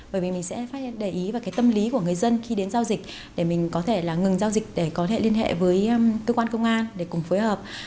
bởi vì mình sẽ phát hiện để ý vào tâm lý của người dân khi đến giao dịch để mình có thể ngừng giao dịch để có thể liên hệ với cơ quan công an để cùng phối hợp